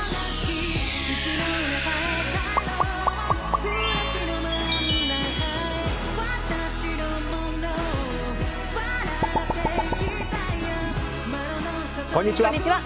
こんにちは。